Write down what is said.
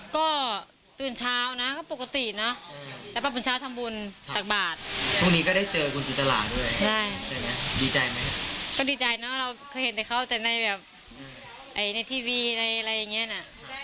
ก็ดีใจนะแล้วเคยเห็นเขาในทีวีอะไรอย่างนี้นะ